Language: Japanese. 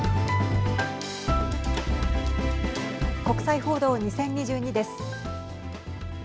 国際報道２０２２です。